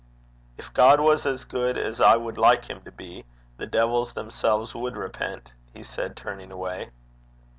'If God was as good as I would like him to be, the devils themselves would repent,' he said, turning away.